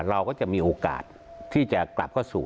เราก็จะมีโอกาสที่จะกลับเข้าสู่